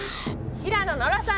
平野ノラさん！